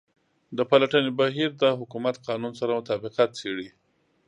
د پلټنې بهیر د حکومت قانون سره مطابقت څیړي.